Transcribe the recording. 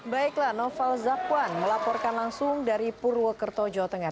baiklah noval zakwan melaporkan langsung dari purwokerto jawa tengah